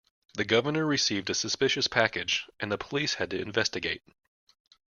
The governor received a suspicious package and the police had to investigate.